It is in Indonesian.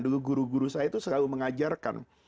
dulu guru guru saya itu selalu mengajarkan